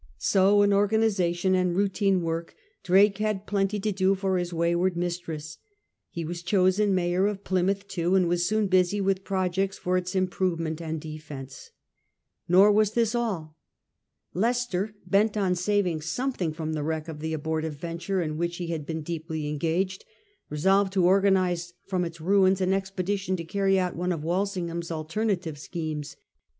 So in organisation and routine work Drake had plenty to do for his wayward mis tress. He was chosen Mayor of Plymouth too, and was soon busy with projects for its improvement and defence. ^ Digge's Compleat Anibaamdor, 379 et seq. VII DANGER FROM SPAIN 95 Nor was this all. Leicester, bent on saving something from the wreck of the abortive venture in which he had been deeply engaged, resolved to organise from its ruins an expedition to carry out one of Walsingham's alter native schemes.